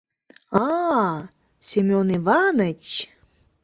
— А-а, Семён Иваныч!